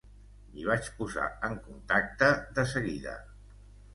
M'hi vaig posar en contacte de seguida.